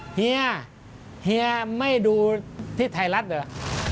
เฮียเฮียไม่ดูที่ไทยรัฐเหรอ